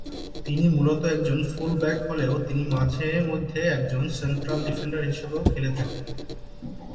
তিনি মূলত একজন ফুল ব্যাক হলেও তিনি মাঝে মধ্যে একজন সেন্ট্রাল ডিফেন্ডার হিসেবেও খেলে থাকেন।